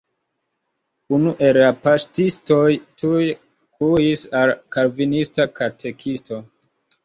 Unu el la paŝtistoj tuj kuris al kalvinista katekisto.